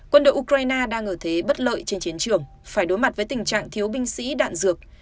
quân đội ukraine đang ở thế bất lợi trên chiến trường phải đối mặt với tình trạng thiếu binh sĩ đạn dược